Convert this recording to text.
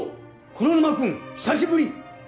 黒沼くん久しぶり